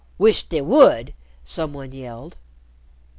"Wisht they would!" some one yelled.